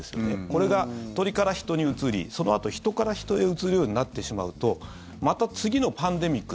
これが鳥から人にうつりそのあと、人から人へうつるようになってしまうとまた次のパンデミック。